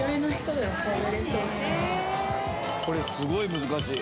これすごい難しい。